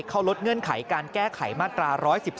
เขาลดเงื่อนไขการแก้ไขมาตรา๑๑๒